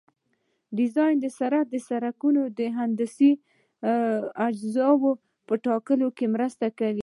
د ډیزاین سرعت د سرک د هندسي اجزاوو په ټاکلو کې مرسته کوي